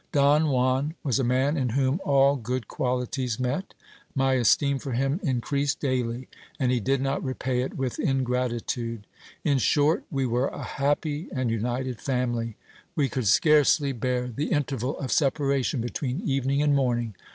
Don Juan was a man in whom all good qualities met : my esteem for him in creased daily, and he did not repay it with ingratitude. In short, we were a happy and united family : we could scarcely bear the interval of separation between evening and morning.